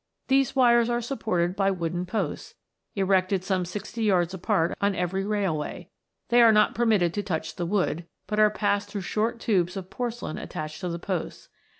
These wires are supported by wooden posts, erected some sixty yards apart on every railway ; they are not permitted to touch the wood, but are passed through short tubes of porce lain attached to the posts.